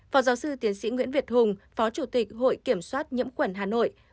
phó giáo sư tiến sĩ nguyễn việt hùng phó chủ tịch hội kiểm soát nhiễm khuẩn hà nội